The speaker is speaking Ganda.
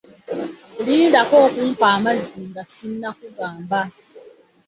Lindako okumpa amazzi nga sinakugamba.